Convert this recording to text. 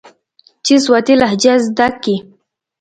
چې سواتي لهجه زده کي.